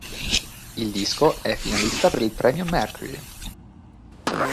Il disco è finalista per il Premio Mercury.